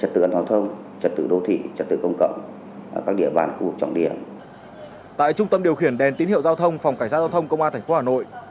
tại trung tâm điều khiển đèn tín hiệu giao thông phòng cảnh sát giao thông công an tp hà nội